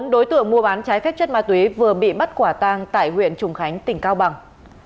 bốn đối tượng mua bán trái phép chất ma túy vừa bị bắt quả tang tại huyện trùng khánh tỉnh cao bằng